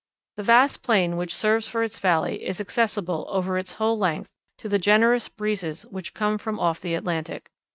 The vast plain which serves for its valley is accessible over its whole extent to the generous breezes which come from off the Atlantic.